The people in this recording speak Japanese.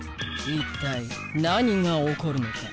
一体何が起こるのか？